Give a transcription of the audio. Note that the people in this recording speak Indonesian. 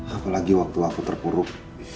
apalagi waktu aku terpuruk